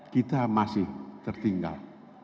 kita masih tertinggal